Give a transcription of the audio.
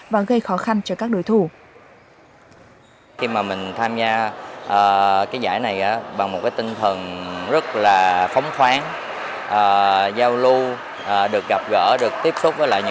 và gây khó khăn cho các đối thủ